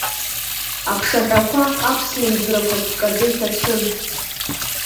Аԥшаҳәақәа, аԥслымӡрақәа ккаӡа иҭацәын.